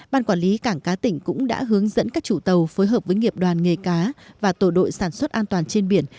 ban quản lý cảng cá tỉnh cũng đã hướng dẫn các chủ tàu phối hợp với nghiệp đoàn nghề cá và tổ đội sản xuất an toàn trên biển